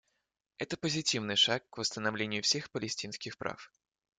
Это позитивный шаг к восстановлению всех палестинских прав.